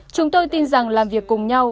chúng tôi tin rằng làm việc cùng nhau